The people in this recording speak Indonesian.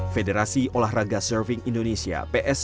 federasi olahraga serving indonesia